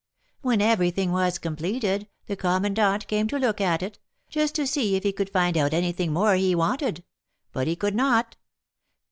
When everything was completed, the commandant came to look at it, just to see if he could find out anything more he wanted; but he could not.